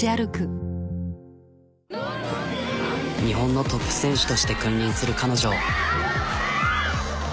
日本のトップ選手として君臨する彼女。